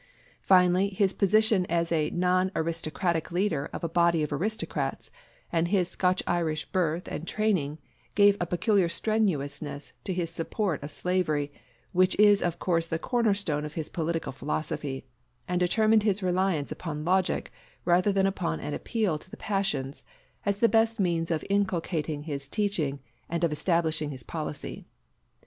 Finally, his position as a non aristocratic leader of a body of aristocrats, and his Scotch Irish birth and training, gave a peculiar strenuousness to his support of slavery, which is of course the corner stone of his political philosophy; and determined his reliance upon logic rather than upon an appeal to the passions as the best means of inculcating his teaching and of establishing his policy.